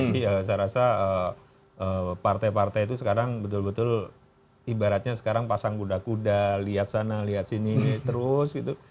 jadi saya rasa partai partai itu sekarang betul betul ibaratnya sekarang pasang kuda kuda lihat sana lihat sini terus gitu